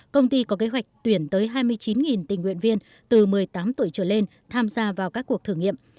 công ty có kế hoạch tuyển tới hai mươi chín tình nguyện viên từ một mươi tám tuổi trở lên tham gia vào các cuộc thử nghiệm